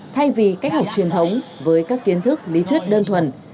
thay vì cách học truyền thống với các kiến thức lý thuyết đơn thuần